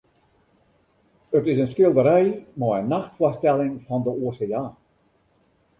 It is in skilderij mei in nachtfoarstelling fan de oseaan.